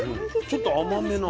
ちょっと甘めな。